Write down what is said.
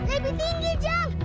lebih tinggi jang